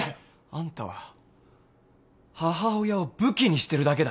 あんたは母親を武器にしてるだけだ。